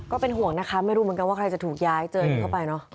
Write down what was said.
ก็เป็นห่วงนะคะไม่รู้เหมือนกันว่าใครจะถูกย้ายเจออันนี้เข้าไปเนอะ